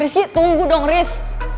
rizky tunggu dong riz